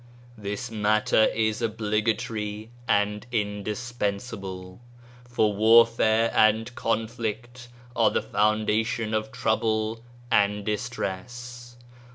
This matter is obligatory and indispensable, for warfare and conflict are the foundation of trouble and distress."